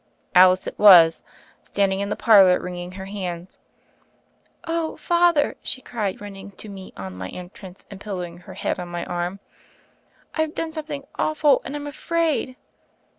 Alice it was — standing in the parlor wring ing her hands. Oh, Father," she cried, running to me on my entrance, and pillowing her head on my arm, "I've done sometning awful, and I'm afraid!"